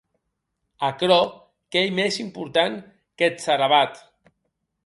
Aquerò qu'ei mès important qu'eth sarabat.